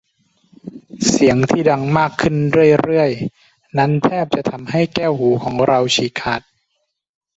เสียงที่ดังมากขึ้นเรื่อย ๆ นั้นแทบจะทำให้แก้วหูของเราฉีกขาด